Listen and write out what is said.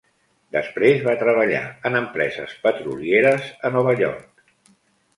Després va treballar en empreses petrolieres a Nova York.